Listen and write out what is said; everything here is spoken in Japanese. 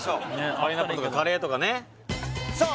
パイナップルとかカレーとかねさあ！